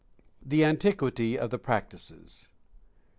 THE ANTIQUITY OF THE PRACTICES.